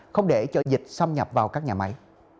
không để cho dịch xâm nhập vào các nhà máy